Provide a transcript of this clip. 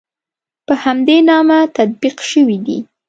په همدې نامه تطبیق شوي دي.